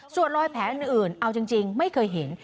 ส่วนรอยแผลอื่นเอาจริงไม่เคยเห็น